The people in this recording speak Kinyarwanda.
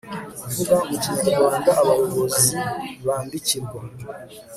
kuvuga mu kinyarwanda abayobozi bandikirwa